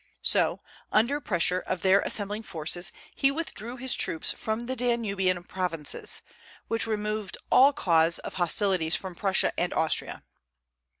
So, under pressure of their assembling forces, he withdrew his troops from the Danubian provinces, which removed all cause of hostilities from Prussia and Austria.